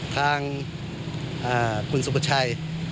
ทางคุณสุพจัย